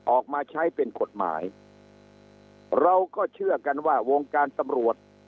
ออกมาใช้เป็นกฎหมายเราก็เชื่อกันว่าวงการตำรวจ